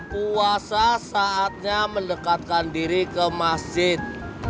puasa saatnya mendekatkan diri ke masjid